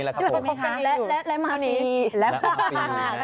และมาฟิ